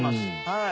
はい。